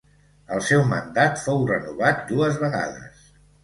El seu mandat fou renovat dues vegades.